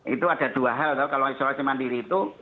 itu ada dua hal kalau isolasi mandiri itu